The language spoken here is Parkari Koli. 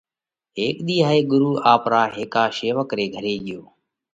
هيڪ ۮِي هائي ڳرُو آپرا هيڪا شيوَڪ ري گھري ڳيو۔